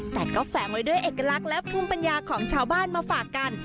แต่ก็แฝงไว้ด้วยเอกลักษณ์และภูมิปัญญาของชาวบ้านมาฝากกัน